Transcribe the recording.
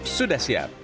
uduk sudah siap